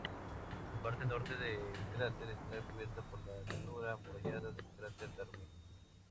La parte norte del cráter está cubierta por la llanura amurallada del cráter Darwin.